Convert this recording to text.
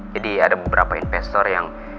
jadi ada beberapa investor yang